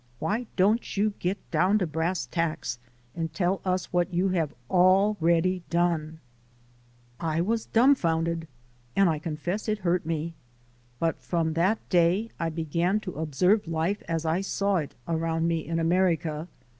Why don't you 'get down to brass tacks' and tell us what you have already done?'* I was dumfounded and I confess it hurt me. But from that day I began to observe life as I saw it around me in America.